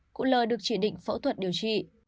cụ l được chỉ định phẫu thuật điều trị